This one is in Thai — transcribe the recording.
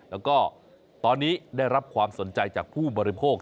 แล้วก็ตอนนี้ได้รับความสนใจจากผู้บริโภค